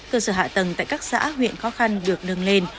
cơ sở hạ tầng tại các xã huyện khó khăn được nâng lên